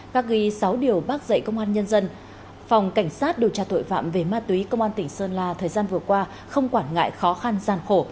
các ghi sáu điều bác dạy công an nhân dân phòng cảnh sát điều tra tội phạm về ma túy công an tỉnh sơn la thời gian vừa qua không quản ngại khó khăn gian khổ